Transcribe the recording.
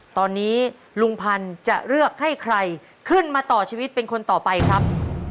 ตอนนี้ลุงพันธุ์จะเลือกให้ใครขึ้นมาต่อชีวิตเป็นคนต่อไปครับ